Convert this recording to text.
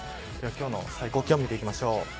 今日の最高気温見ていきましょう。